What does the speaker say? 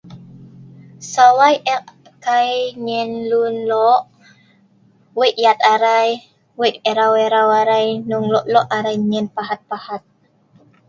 Sawai eek Kai nyien ngan lun lo’. Wei yat arai, Wei erau erau arai .nong Lo Lo arai nyien pahat pahat.